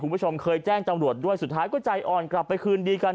คุณผู้ชมเคยแจ้งตำรวจด้วยสุดท้ายก็ใจอ่อนกลับไปคืนดีกัน